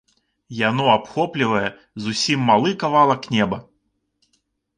Яно абхоплівае зусім малы кавалак неба.